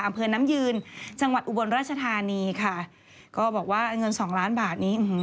อำเภอน้ำยืนจังหวัดอุบลราชธานีค่ะก็บอกว่าเงินสองล้านบาทนี้